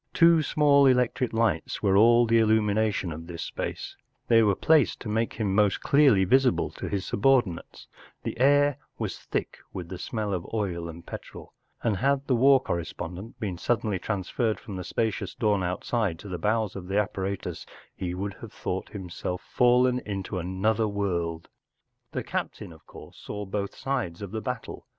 Two small electric lights were all the illumination of this space — they were placed to make him most clearly visible to his subordinates ; the air was thick with the smell of oil and petrol, and had the war correspond e n t been suddenly transferred from the spacious dawn outside to the bowels of this a p p a r a t u s h e w o u 1 d ha v e thought himself fallen into an¬ other world. The captain, of course, saw both sides of the battle.